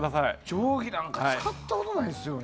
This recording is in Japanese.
定規なんか使ったことないですよね。